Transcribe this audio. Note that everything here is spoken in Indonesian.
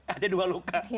ada dua luka